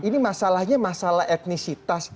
ini masalahnya masalah etnisitas